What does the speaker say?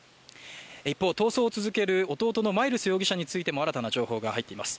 一方、逃走を続ける弟のマイルス容疑者についても新たな情報が入っています。